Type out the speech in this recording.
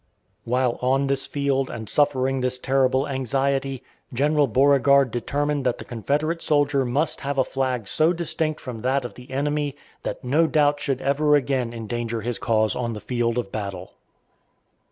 While on this field and suffering this terrible anxiety, General Beauregard determined that the Confederate soldier must have a flag so distinct from that of the enemy that no doubt should ever again endanger his cause on the field of battle.